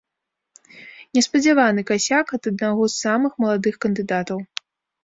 Неспадзяваны касяк ад аднаго з самых маладых кандыдатаў!